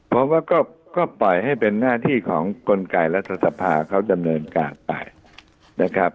ผมว่าก็ปล่อยให้เป็นหน้าที่ของกลไกรัฐสภาเขาดำเนินการไปนะครับ